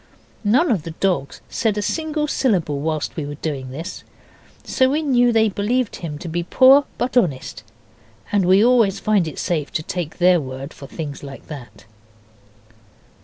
None of the dogs said a single syllable while we were doing this, so we knew they believed him to be poor but honest, and we always find it safe to take their word for things like that.